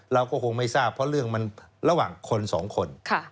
เราก็คงไม่ทราบเพราะเรื่องมันระหว่างคนสองคน